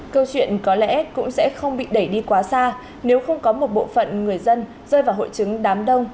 câu chuyện có lẽ cũng sẽ không bị đẩy đi quá xa nếu không có một bộ phận người dân rơi vào hội chứng đám đông